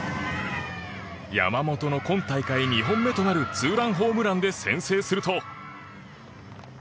山本の今大会２本目となるツーランホームランで先制すると。